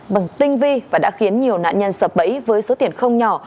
bằng tinh vi và đã khiến nhiều nạn nhân sập bẫy với số tiền không nhỏ